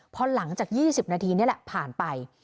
พอหลังจาก๒๐นาทีนี่แหละผ่านไป